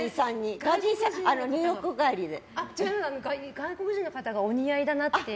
外国人の方がお似合いだなって。